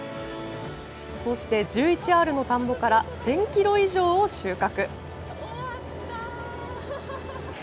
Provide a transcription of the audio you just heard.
こうして１１アールの田んぼから１０００ｋｇ以上を収穫。